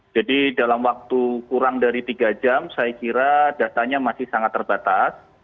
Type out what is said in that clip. jadi dalam waktu kurang dari tiga jam saya kira dasarnya masih sangat terbatas